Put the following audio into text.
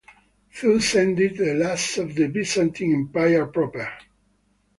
Thus ended the last of the Byzantine Empire proper.